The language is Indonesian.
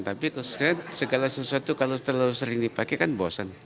tapi segala sesuatu kalau terlalu sering dipakai kan bosan